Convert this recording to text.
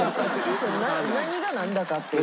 何がなんだかっていう。